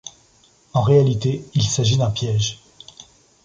En réalité, il s’agit d’un piège.